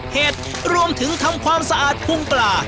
เห็ดรวมถึงทำความสะอาดพุงปลา